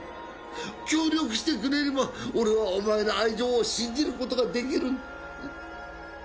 協力してくれれば俺はお前の愛情を信じることができるんだ！